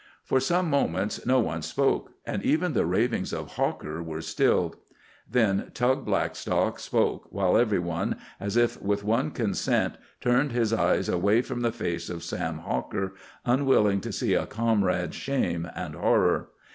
For some moments no one spoke, and even the ravings of Hawker were stilled. Then Tug Blackstock spoke, while every one, as if with one consent, turned his eyes away from the face of Sam Hawker, unwilling to see a comrade's shame and horror.